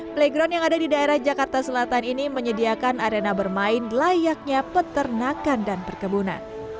playground yang ada di daerah jakarta selatan ini menyediakan arena bermain layaknya peternakan dan perkebunan